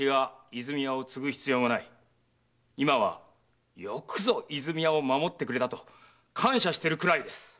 今はよくぞ和泉屋を守ってくれたと感謝してるくらいです。